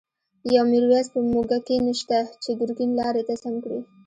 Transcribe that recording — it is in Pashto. يو” ميرويس ” په موږکی نشته، چی ګر ګين لاری ته سم کړی